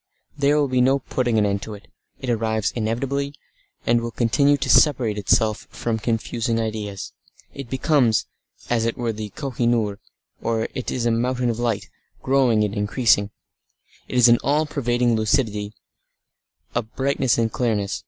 There will be no putting an end to it. It arrives inevitably, and it will continue to separate itself out from confusing ideas. It becomes, as it were the Koh i noor; it is a Mountain of Light, growing and increasing. It is an all pervading lucidity, a brightness and clearness.